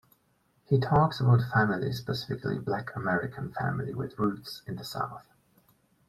He talks about family, specifically Black-American family with roots in the South.